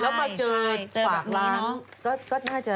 แล้วมาเจอฝากร้านก็น่าจะ